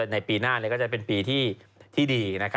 อ๋อในปีหน้าเนี่ยก็จะเป็นปีที่ดีนะครับ